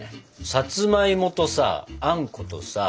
さつまいもとさあんことさ